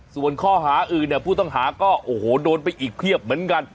ส่วนข้อหาอื่นเนี่ยผู้ต้องหาก็โอ้โหโดนไปอีกเพียบเหมือนกัน